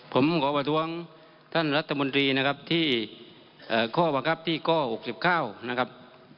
ผมขอประท้วงท่านรัฐมนตรีนะครับที่ข้อบังคับที่ข้อ๖๙นะครับ